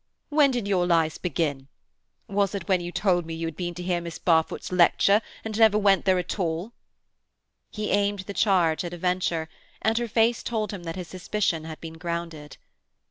"When did your lies begin? Was it when you told me you had been to hear Miss Barfoot's lecture, and never went there at all?" He aimed the charge at a venture, and her face told him that his suspicion had been grounded.